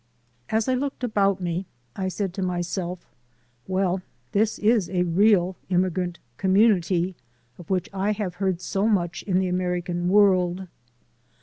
As I looked about me I said to myself : "Well, this is a real immigrant community, of which I have heard so much in the American world!"